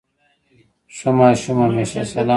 ښه ماشوم همېشه سلام وايي.